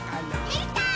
できたー！